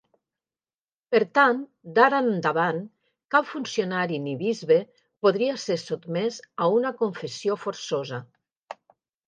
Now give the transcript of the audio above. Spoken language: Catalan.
Per tant, d'ara endavant, cap funcionari ni bisbe podria ser sotmès a una confessió forçosa.